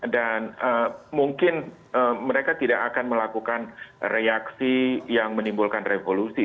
dan mungkin mereka tidak akan melakukan reaksi yang menimbulkan revolusi